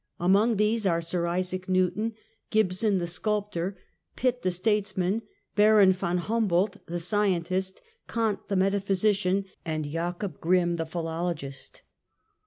J Among these are Sir Isaac IN'ewton ; Gibson, the sculp tor ; Pitt, the statesman ; Baron Von Humbolt, the scientist ; Kent, the metaphysician, and Jacob Gremm, the philologist.